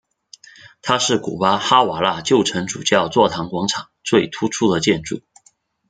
它是古巴哈瓦那旧城主教座堂广场最突出的建筑。